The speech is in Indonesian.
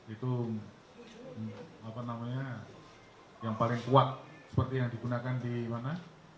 itu apa namanya yang paling kuat seperti yang digunakan di mana